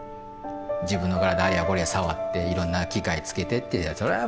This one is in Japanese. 自分の体あれやこれや触っていろんな機械つけてってそりゃあ